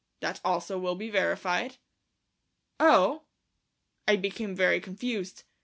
That also will be verified." "Oh!..." I became very confused.